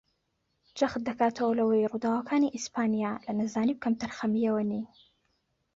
جەخت دەکاتەوە لەوەی ڕووداوەکانی ئیسپانیا لە نەزانی و کەمتەرخەمییەوە نین